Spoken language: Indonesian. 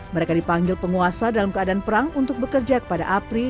mereka dipanggil penguasa dalam keadaan perang untuk bekerja kepada apri